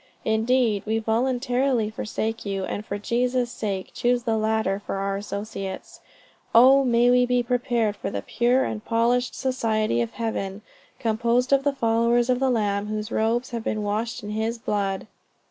Indeed, we voluntarily forsake you, and for Jesus' sake choose the latter for our associates. O may we be prepared for the pure and polished society of heaven, composed of the followers of the Lamb, whose robes have been washed in his blood!"